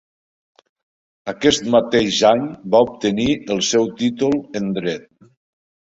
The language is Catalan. Aquest mateix any va obtenir el seu títol en Dret.